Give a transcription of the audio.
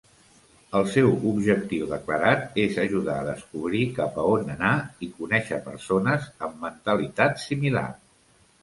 El seu objectiu declarat és ajudar a descobrir cap a on anar i conèixer persones amb mentalitat similar.